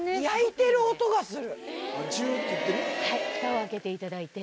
ふたを開けていただいて。